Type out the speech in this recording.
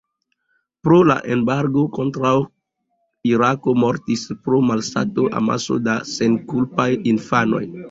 Pro la embargo kontraŭ Irako mortis pro malsato amaso da senkulpaj infanoj.